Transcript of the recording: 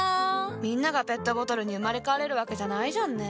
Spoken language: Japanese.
みんながペットボトルに生まれ変われるわけじゃないじゃんね。